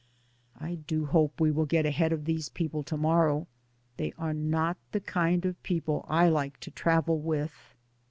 I do hope we will get ahead of these people to morrow. They are not the kind of people I like to travel with.